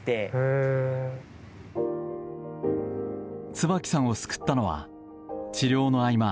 椿さんを救ったのは治療の合間